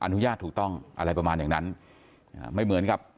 อนุญาตถูกต้องอะไรประมาณอย่างนั้นอ่าไม่เหมือนกับ